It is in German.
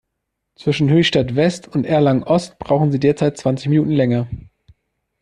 Zwischen Höchstadt-West und Erlangen-Ost brauchen Sie derzeit zwanzig Minuten länger.